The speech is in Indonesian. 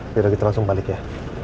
biar kita langsung balik ya